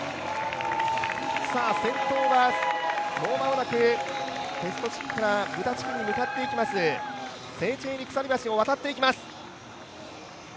先頭はもう間もなくペスト地区からブダ地区に向かっていきます、セーチェーニ鎖橋を渡っていきます。